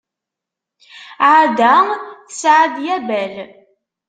Ɛada tesɛa-d Yabal.